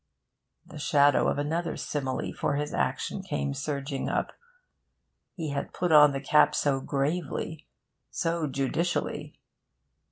The shadow of another simile for his action came surging up... He had put on the cap so gravely, so judicially.